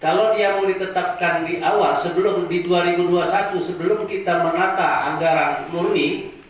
kalau dia mau ditetapkan di awal sebelum di dua ribu dua puluh satu sebelum kita menata anggaran murni